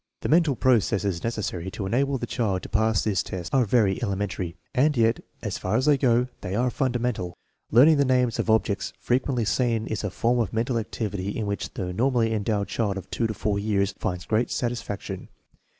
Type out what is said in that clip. The mental processes necessary to enable the child to pass this test are very elementary, and yet, as far as they go, they are fundamental. Learning the names of objects frequently seen is a form of mental activity in which the normally endowed child of 2 to 4 years finds great satisfaction.